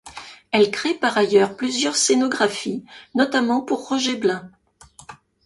Elle crée par ailleurs plusieurs scénographies, notamment pour Roger Blin.